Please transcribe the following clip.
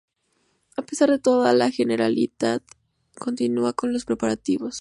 A pesar de todo la Generalitat continúa con los preparativos.